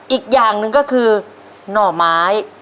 อีกอย่างหนึ่งก็คือหน่อไม้